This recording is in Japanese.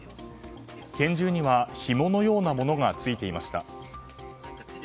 拳銃には、ひものようなものがついていました。